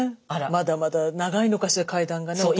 まだまだ長いのかしら階段がね大人の階段は。